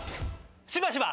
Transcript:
しばしば！